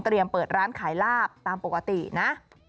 เตรียมเปิดร้านขายลาบตามปกตินะ